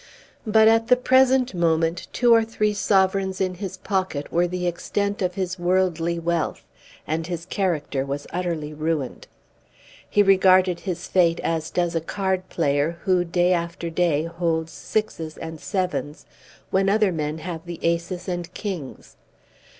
But at the present moment two or three sovereigns in his pocket were the extent of his worldly wealth and his character was utterly ruined. He regarded his fate as does a card player who day after day holds sixes and sevens when other men have the aces and kings.